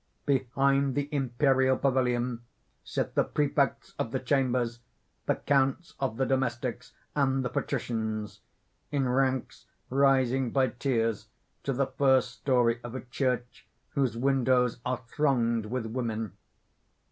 _ _Behind the imperial pavilion sit the Prefects of the Chambers, the Counts of the Domestics, and the Patricians in ranks rising by tiers to the first story of a church whose windows are thronged with women.